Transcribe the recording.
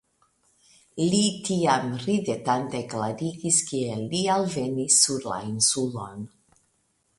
Li tiam ridetante klarigis, kiel li alvenis sur la Insulon.